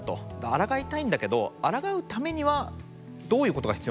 あらがいたいんだけどあらがうためにはどういうことが必要なのか。